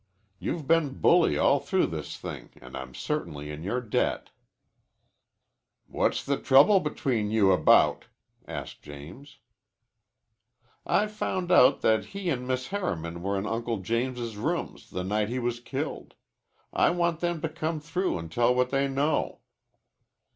You've been bully all through this thing, an' I'm certainly in your debt." "What's the trouble between you about?" asked James. "I've found out that he an' Miss Harriman were in Uncle James's rooms the night he was killed. I want them to come through an' tell what they know."